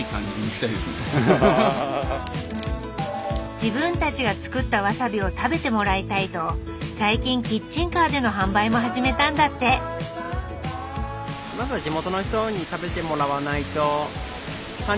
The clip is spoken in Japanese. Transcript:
自分たちが作ったわさびを食べてもらいたいと最近キッチンカーでの販売も始めたんだって３人の夢はまだ始まったばかりです。